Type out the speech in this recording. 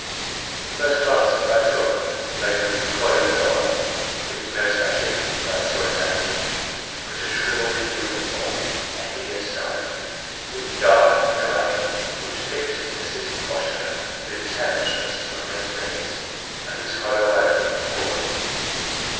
The first glance that I took made me recoil with horror. It was no statue that I saw in that niche, but a shrivelled human form a hideous sight. It was dark and dried; it was fixed in a sitting posture, with its hands resting on its knees, and its hollow eyes looking forward.